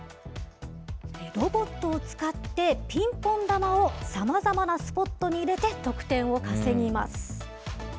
ロボットを使って、ピンポン球をさまざまなスポットに入れて得点を稼ぎます。